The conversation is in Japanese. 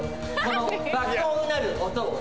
この爆音うなる音を。